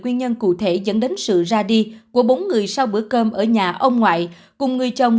nguyên nhân cụ thể dẫn đến sự ra đi của bốn người sau bữa cơm ở nhà ông ngoại cùng người chồng